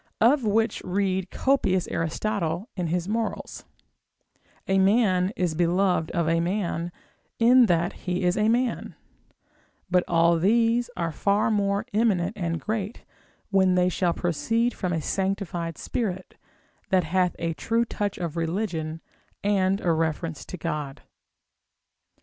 of which read copious Aristotle in his morals; a man is beloved of a man, in that he is a man; but all these are far more eminent and great, when they shall proceed from a sanctified spirit, that hath a true touch of religion, and a reference to God.